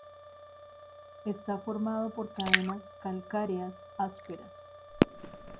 Está formado por cadenas calcáreas ásperas.